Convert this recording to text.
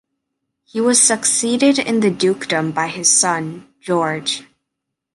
He was succeeded in the dukedom by his son, George.